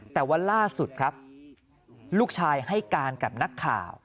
แต่ว่าล่าสุดครับลูกชายให้การกับนักข่าว